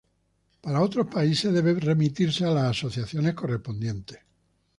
Para otros países, debe remitirse a las asociaciones correspondientes.